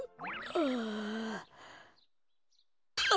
ああ。